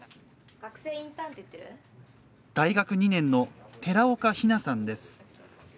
大学２年の寺岡陽奈さんです。